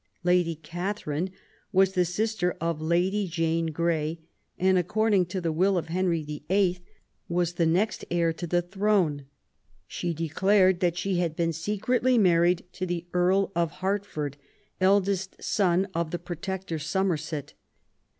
PROBLEMS OF THE REIGN. 73 Lady Catharine was the sister of Lady Jane Grey, and, according to the will of Henry VIIL, was the next heir to the throne. She declared that she had been secretly married to the Earl of Hertford, eldest son of the Protector Somerset.